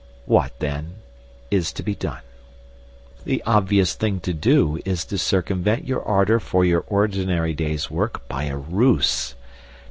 What, then, is to be done? The obvious thing to do is to circumvent your ardour for your ordinary day's work by a ruse.